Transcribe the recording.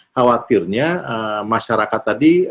khawatirnya masyarakat tadi